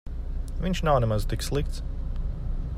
Viņš nav nemaz tik slikts.